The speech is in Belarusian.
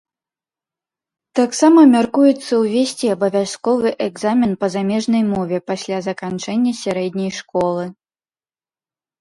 Таксама мяркуецца ўвесці абавязковы экзамен па замежнай мове пасля заканчэння сярэдняй школы.